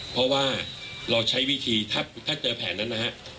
เพราะว่าเราใช้วิธีถ้าเจอแผนนั้นนะฮะ